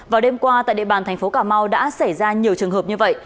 vào đêm qua tại địa bàn thành phố cà mau đã xảy ra nhiều trường hợp như vậy